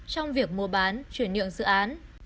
trong việc mua bán chuyển nhượng dự án